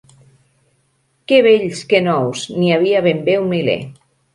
Que vells que nous, n'hi havia ben bé un miler.